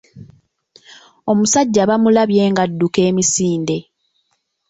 Omusajja bamulabye ng'adduka emisinde.